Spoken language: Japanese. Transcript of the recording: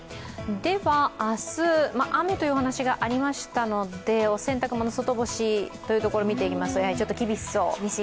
明日、雨というお話がありましたのでお洗濯物外干しというところを見ていくと、やはりちょっと厳しそう？